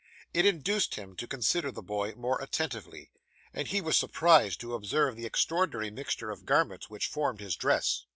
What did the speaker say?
It induced him to consider the boy more attentively, and he was surprised to observe the extraordinary mixture of garments which formed his dress.